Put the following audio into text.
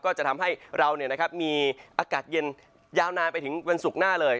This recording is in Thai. ก็จะทำให้เรามีอากาศเย็นยาวนานไปถึงวันศุกร์หน้าเลย